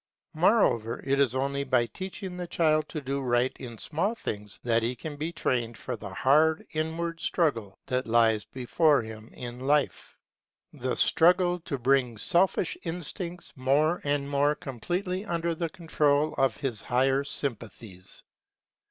Moreover, it is only by teaching the child to do right in small things that he can be trained for the hard inward struggle that lies before him in life; the struggle to bring the selfish instincts more and more completely under the control of his higher sympathies.